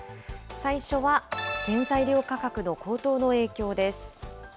最初は原材料価格の高騰の影響です。